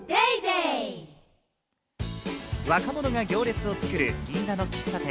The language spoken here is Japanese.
若者が行列を作る銀座の喫茶店。